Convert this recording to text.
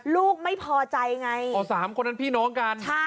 ลูกไม่พอใจไงอ๋อสามคนนั้นพี่น้องกัน